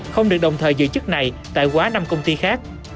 không được đồng thời giữ chức này tại quá năm công ty khác